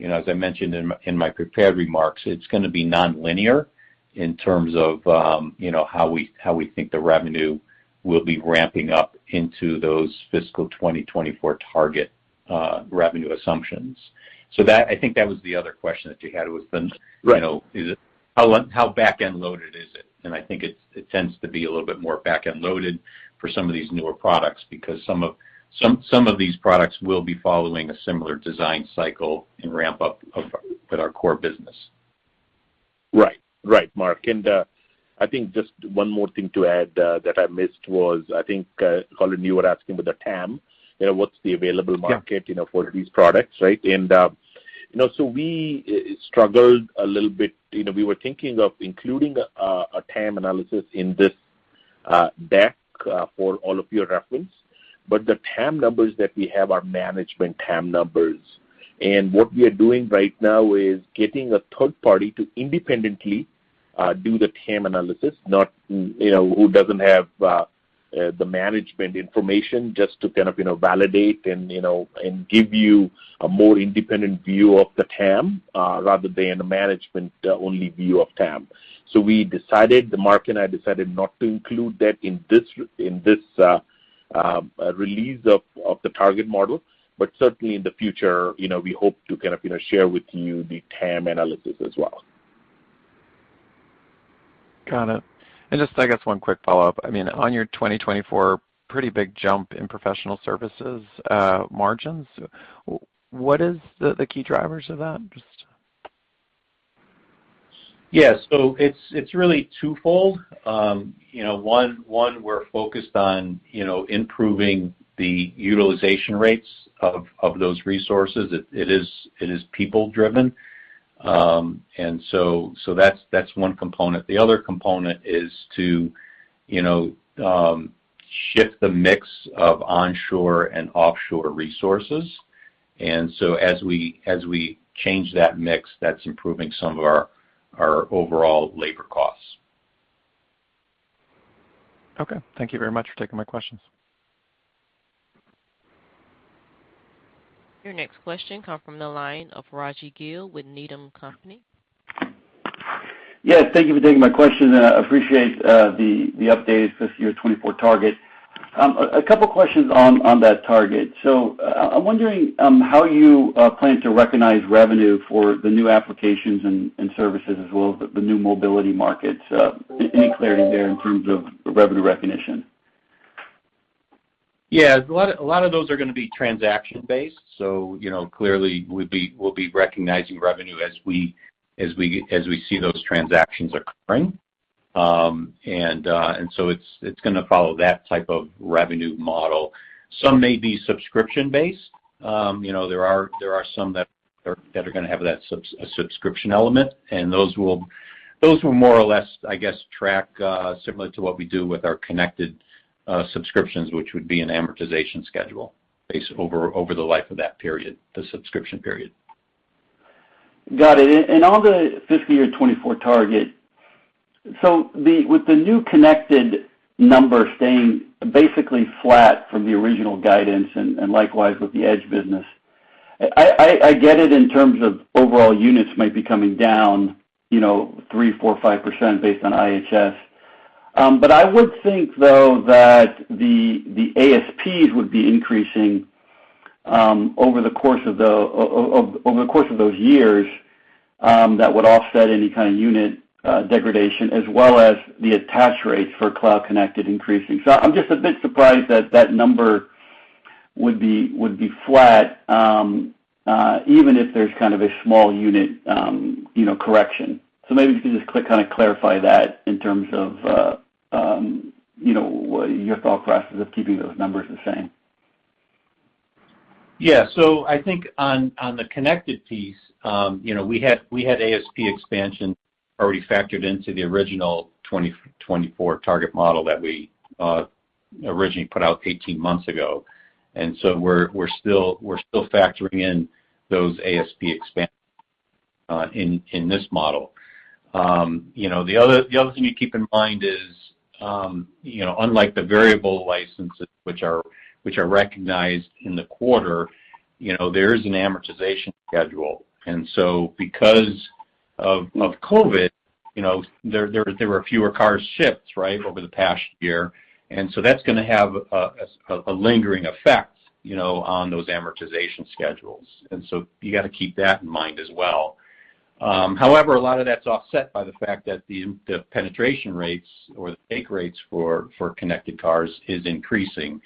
as I mentioned in my prepared remarks, it's going to be nonlinear in terms of how we think the revenue will be ramping up into those fiscal 2024 target revenue assumptions. I think that was the other question that you had was. Right. how back-end loaded is it? I think it tends to be a little bit more back-end loaded for some of these newer products, because some of these products will be following a similar design cycle and ramp-up of with our core business. Right. Mark, I think just one more thing to add that I missed was, I think, Colin, you were asking about the TAM, what's the available market. Yeah for these products, right? We struggled a little bit. We were thinking of including a TAM analysis in this deck for all of your reference. The TAM numbers that we have are management TAM numbers. What we are doing right now is getting a third party to independently do the TAM analysis, who doesn't have the management information, just to kind of validate and give you a more independent view of the TAM, rather than a management-only view of TAM. We decided, Mark and I decided not to include that in this. a release of the target model. Certainly in the future, we hope to share with you the TAM analysis as well. Got it. just I guess one quick follow-up. On your 2024, pretty big jump in professional services margins. What is the key drivers of that? Yeah. It's really twofold. One, we're focused on improving the utilization rates of those resources. It is people-driven. That's one component. The other component is to shift the mix of onshore and offshore resources. As we change that mix, that's improving some of our overall labor costs. Okay. Thank you very much for taking my questions. Your next question come from the line of Rajvindra Gill with Needham & Company. Yeah, thank you for taking my question, and I appreciate the update, fiscal year 2024 target. A couple questions on that target. I'm wondering how you plan to recognize revenue for the new applications and services as well as the new mobility markets. Any clarity there in terms of revenue recognition? Yeah. A lot of those are going to be transaction-based. Clearly, we'll be recognizing revenue as we see those transactions occurring. It's going to follow that type of revenue model. Some may be subscription-based. There are some that are going to have that subscription element, and those will more or less, I guess, track similar to what we do with our connected services, which would be an amortization schedule based over the life of that period, the subscription period. Got it. On the fiscal year 2024 target, with the new connected number staying basically flat from the original guidance, and likewise with the edge business, I get it in terms of overall units might be coming down 3%, 4%, 5% based on IHS. I would think, though, that the ASPs would be increasing over the course of those years that would offset any kind of unit degradation as well as the attach rates for cloud connected increasing. I'm just a bit surprised that that number would be flat, even if there's kind of a small unit correction. Maybe if you could just kind of clarify that in terms of your thought process of keeping those numbers the same. Yeah. I think on the connected piece, we had ASP expansion already factored into the original 2024 target model that we originally put out 18 months ago. We're still factoring in those ASP expansions in this model. The other thing to keep in mind is, unlike the variable licenses, which are recognized in the quarter, there is an amortization schedule. Because of COVID-19, there were fewer cars shipped, right, over the past year, and so that's going to have a lingering effect on those amortization schedules. You got to keep that in mind as well. However, a lot of that's offset by the fact that the penetration rates or the take rates for connected cars is increasing.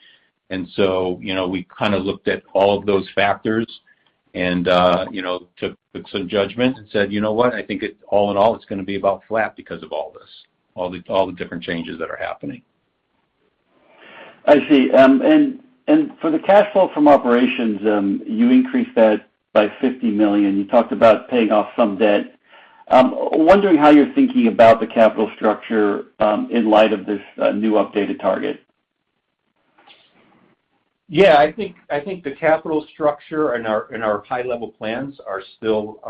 We kind of looked at all of those factors and took some judgment and said, "You know what? I think all in all, it's going to be about flat because of all this, all the different changes that are happening. I see. For the CFFO, you increased that by $50 million. You talked about paying off some debt. I'm wondering how you're thinking about the capital structure in light of this new updated target. I think the capital structure and our high-level plans are still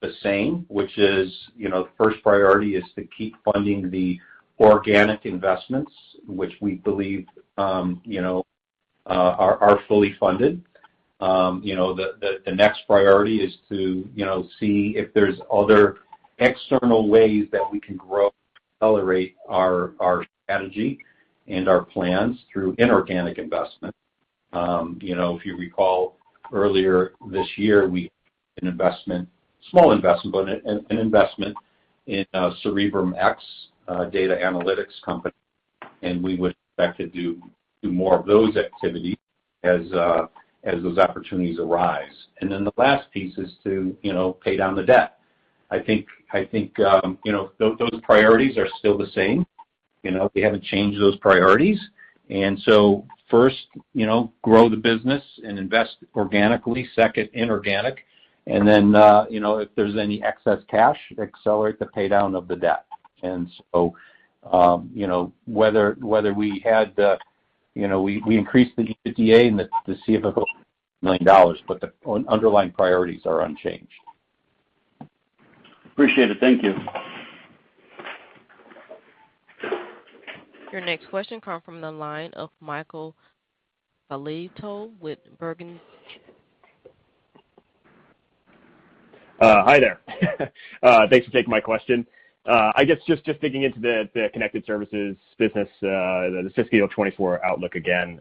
the same, which is, the first priority is to keep funding the organic investments, which we believe are fully funded. The next priority is to see if there's other external ways that we can grow, accelerate our strategy and our plans through inorganic investment. If you recall earlier this year, we made an investment, small investment, but an investment in CerebrumX, a data analytics company, and we would expect to do more of those activities as those opportunities arise. The last piece is to pay down the debt. I think those priorities are still the same. We haven't changed those priorities. First, grow the business and invest organically. Second, inorganic. If there's any excess cash, accelerate the paydown of the debt. We increased the EBITDA and the CFO by million dollars, but the underlying priorities are unchanged. Appreciate it. Thank you. Your next question come from the line of Michael Filatov with Berenberg. Hi there. Thanks for taking my question. I guess just digging into the connected services business, the fiscal year 2024 outlook again.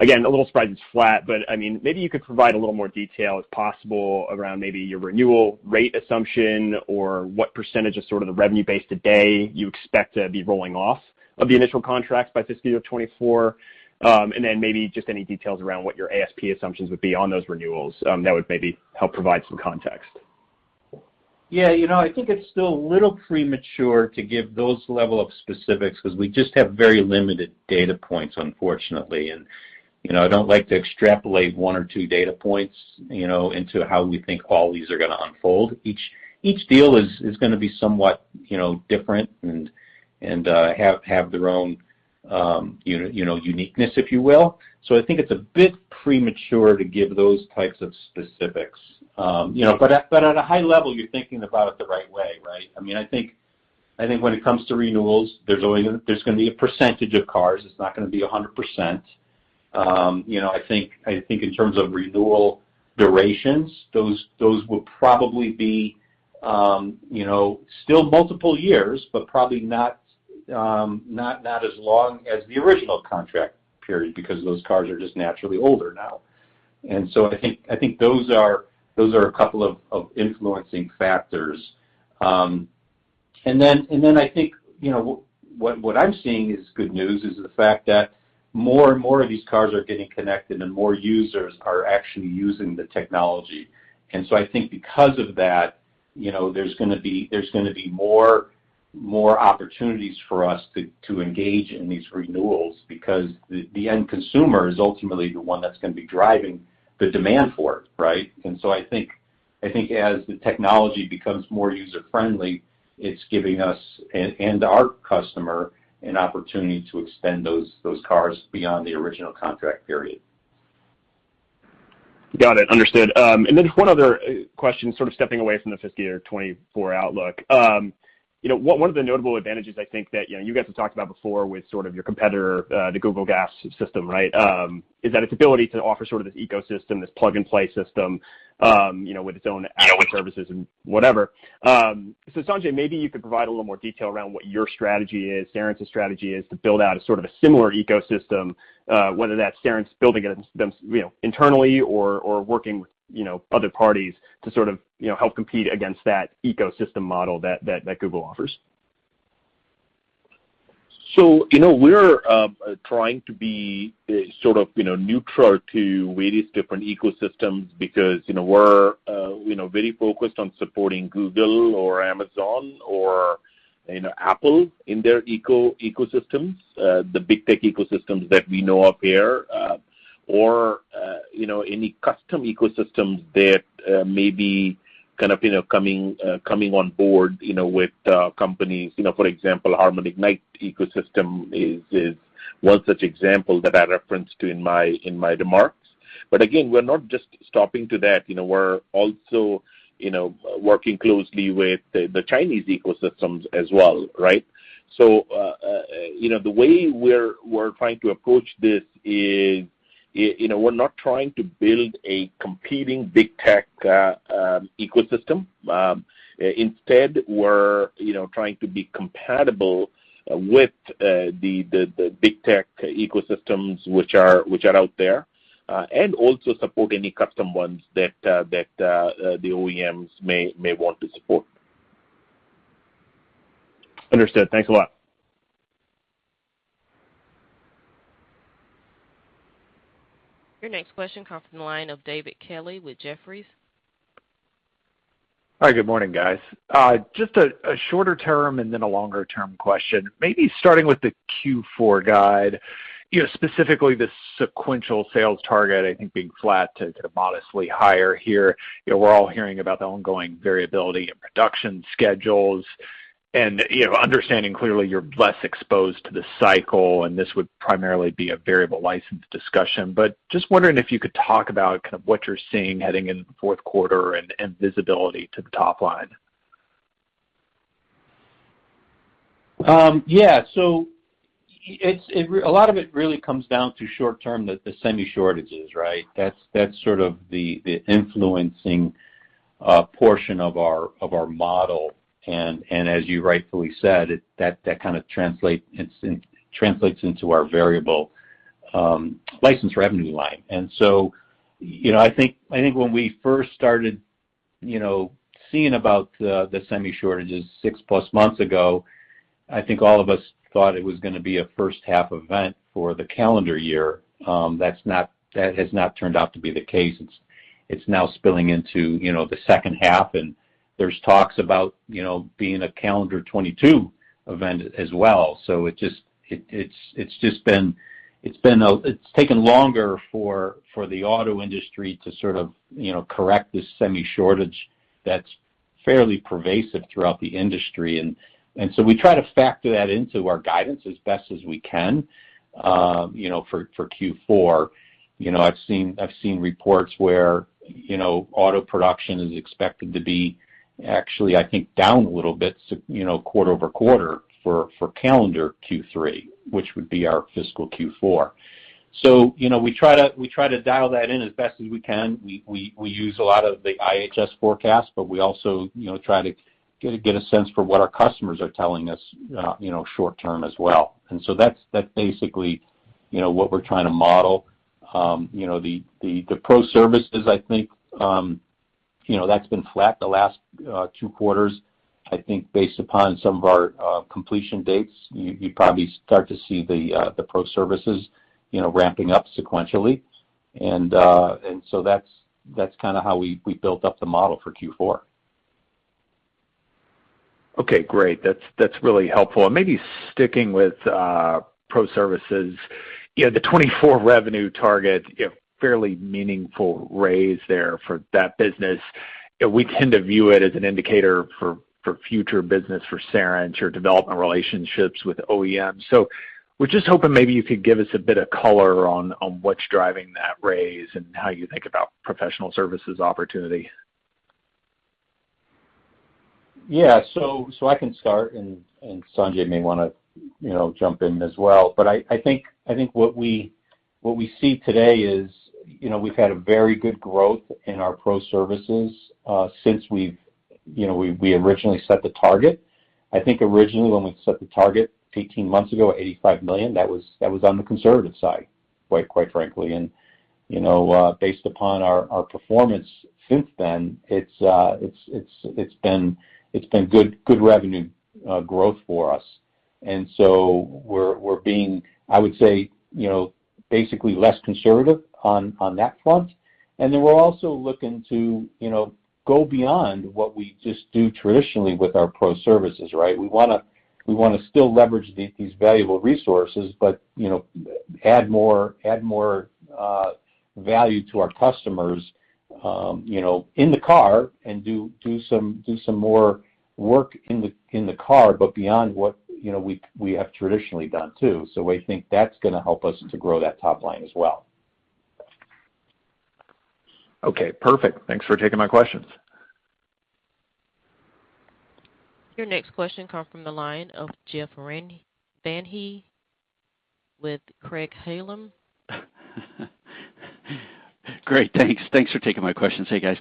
Again, a little surprised it's flat, but maybe you could provide a little more detail, if possible, around maybe your renewal rate assumption or what % of sort of the revenue base today you expect to be rolling off of the initial contracts by fiscal year 2024. Maybe just any details around what your ASP assumptions would be on those renewals. That would maybe help provide some context. Yeah. I think it's still a little premature to give those level of specifics because we just have very limited data points, unfortunately. I don't like to extrapolate one or two data points into how we think all these are going to unfold. Each deal is going to be somewhat different and have their own uniqueness, if you will. I think it's a bit premature to give those types of specifics. At a high level, you're thinking about it the right way, right? I think when it comes to renewals, there's going to be a percentage of cars. It's not going to be 100%. I think in terms of renewal durations, those will probably be still multiple years, but probably not as long as the original contract period, because those cars are just naturally older now. I think those are a couple of influencing factors. I think what I'm seeing is good news, is the fact that more and more of these cars are getting connected and more users are actually using the technology. I think because of that, there's going to be more opportunities for us to engage in these renewals because the end consumer is ultimately the one that's going to be driving the demand for it, right? I think as the technology becomes more user-friendly, it's giving us and our customer an opportunity to extend those cars beyond the original contract period. Got it. Understood. One other question, sort of stepping away from the fiscal year 2024 outlook. One of the notable advantages I think that you guys have talked about before with sort of your competitor, the Google GAS system, is that its ability to offer sort of this ecosystem, this plug-and-play system with its own add-on services and whatever. Sanjay, maybe you could provide a little more detail around what your strategy is, Cerence's strategy is to build out a sort of a similar ecosystem, whether that's Cerence building it internally or working with other parties to sort of help compete against that ecosystem model that Google offers. We're trying to be sort of neutral to various different ecosystems because we're very focused on supporting Google or Amazon or Apple in their ecosystems, the big tech ecosystems that we know of here, or any custom ecosystems that may be kind of coming on board with companies. For example, HARMAN Ignite ecosystem is one such example that I referenced to in my remarks. We're not just stopping to that. We're also working closely with the Chinese ecosystems as well, right? The way we're trying to approach this is we're not trying to build a competing big tech ecosystem. Instead, we're trying to be compatible with the big tech ecosystems which are out there, and also support any custom ones that the OEMs may want to support. Understood. Thanks a lot. Your next question comes from the line of David Kelley with Jefferies. Hi, good morning, guys. Just a shorter-term and then a longer-term question. Maybe starting with the Q4 guide, specifically the sequential sales target, I think being flat to modestly higher here. We're all hearing about the ongoing variability in production schedules and understanding clearly you're less exposed to the cycle and this would primarily be a variable license discussion, but just wondering if you could talk about kind of what you're seeing heading into the fourth quarter and visibility to the top line. Yeah. A lot of it really comes down to short-term, the semi shortages, right? That's sort of the influencing portion of our model. As you rightfully said, that kind of translates into our variable license revenue line. I think when we first started seeing about the semi shortages six-plus months ago, I think all of us thought it was going to be a first-half event for the calendar year. That has not turned out to be the case. It's now spilling into the second half, and there's talks about being a calendar 2022 event as well. It's taken longer for the auto industry to sort of correct this semi shortage that's fairly pervasive throughout the industry. We try to factor that into our guidance as best as we can for Q4. I've seen reports where auto production is expected to be actually, I think, down a little bit quarter-over-quarter for calendar Q3, which would be our fiscal Q4. We try to dial that in as best as we can. We use a lot of the IHS forecasts, but we also try to get a sense for what our customers are telling us short-term as well. That's basically what we're trying to model. That's been flat the last two quarters. I think based upon some of our completion dates, you'd probably start to see the pro services ramping up sequentially. That's how we built up the model for Q4. Okay, great. That's really helpful. Maybe sticking with pro services, the 2024 revenue target, fairly meaningful raise there for that business. We tend to view it as an indicator for future business for Cerence or development relationships with OEMs. We're just hoping maybe you could give us a bit of color on what's driving that raise and how you think about professional services opportunity. I can start and Sanjay may want to jump in as well. I think what we see today is we've had a very good growth in our pro services, since we originally set the target. I think originally when we set the target 18 months ago at $85 million, that was on the conservative side, quite frankly. Based upon our performance since then, it's been good revenue growth for us. We're being, I would say, basically less conservative on that front. We're also looking to go beyond what we just do traditionally with our pro services, right? We want to still leverage these valuable resources, but add more value to our customers in the car and do some more work in the car, but beyond what we have traditionally done, too. We think that's going to help us to grow that top line as well. Okay, perfect. Thanks for taking my questions. Your next question comes from the line of Jeff Van Rhee with Craig-Hallum. Great. Thanks for taking my questions. Hey, guys.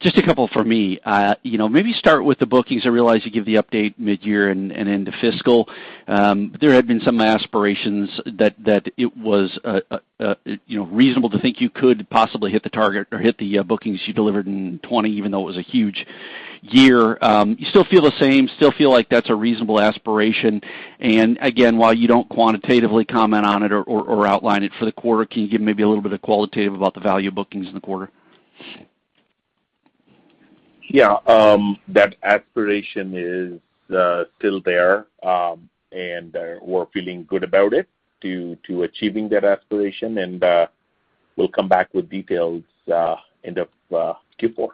Just a couple from me. Maybe start with the bookings. I realize you give the update mid-year and into fiscal. There had been some aspirations that it was reasonable to think you could possibly hit the target or hit the bookings you delivered in 2020, even though it was a huge year. You still feel the same, still feel like that's a reasonable aspiration? Again, while you don't quantitatively comment on it or outline it for the quarter, can you give maybe a little bit of qualitative about the value bookings in the quarter? Yeah. That aspiration is still there. We're feeling good about it, to achieving that aspiration. We'll come back with details end of Q4.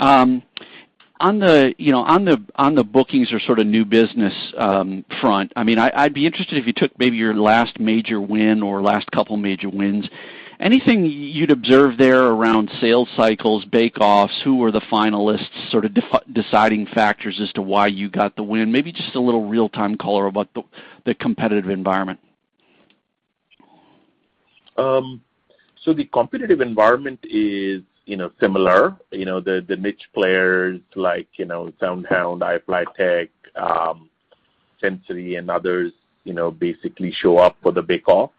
Mm-hmm. On the bookings or sort of new business front, I'd be interested if you took maybe your last major win or last couple major wins. Anything you'd observe there around sales cycles, bake-offs, who were the finalists, sort of deciding factors as to why you got the win? Maybe just a little real-time color about the competitive environment. The competitive environment is similar. The niche players like SoundHound, iFlytek, Sensory, and others basically show up for the bake-offs.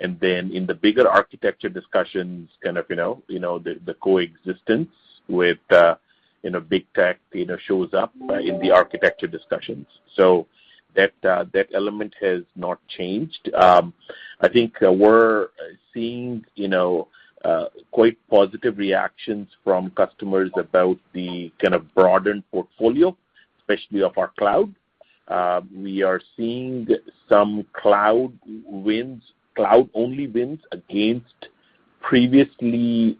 In the bigger architecture discussions, kind of the coexistence with Big Tech shows up in the architecture discussions. That element has not changed. I think we're seeing quite positive reactions from customers about the kind of broadened portfolio, especially of our cloud. We are seeing some cloud-only wins against previous losses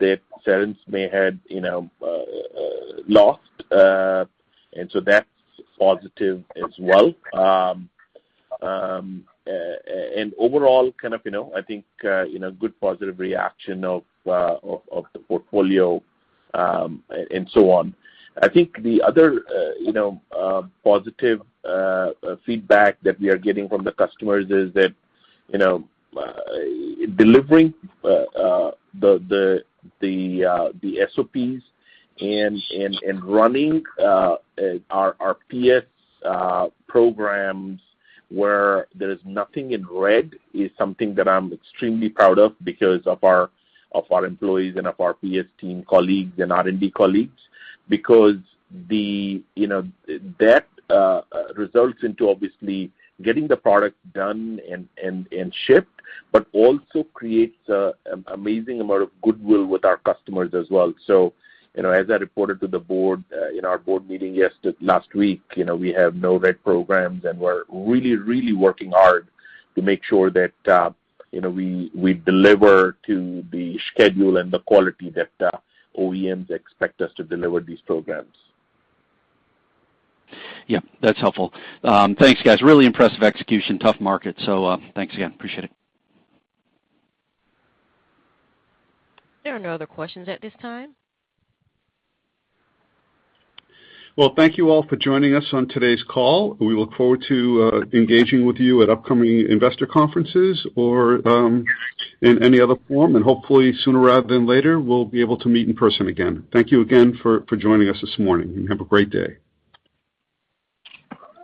that Cerence may had lost. That's positive as well. Overall, I think good positive reaction of the portfolio, and so on. I think the other positive feedback that we are getting from the customers is that delivering the SOPs and running our PS programs where there's nothing in red is something that I'm extremely proud of because of our employees and of our PS team colleagues and R&D colleagues, because that results into obviously getting the product done and shipped, but also creates amazing amount of goodwill with our customers as well. As I reported to the board in our board meeting last week, we have no red programs, and we're really, really working hard to make sure that we deliver to the schedule and the quality that OEMs expect us to deliver these programs. Yeah, that's helpful. Thanks, guys. Really impressive execution. Tough market. Thanks again. Appreciate it. There are no other questions at this time. Well, thank you all for joining us on today's call. We look forward to engaging with you at upcoming investor conferences or in any other form, and hopefully sooner rather than later, we'll be able to meet in person again. Thank you again for joining us this morning, and have a great day.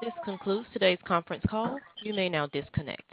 This concludes today's conference call. You may now disconnect.